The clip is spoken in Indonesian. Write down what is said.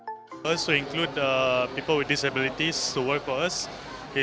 untuk mengunjungi orang orang yang berdisaplitis untuk bekerja untuk kita